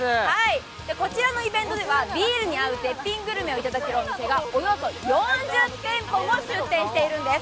こちらのイベントではビールに合う絶品グルメがいただけるお店がおよそ４０店舗も出店しているんです。